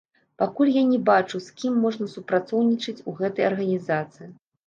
Пакуль я не бачу, з кім можна супрацоўнічаць у гэтай арганізацыі.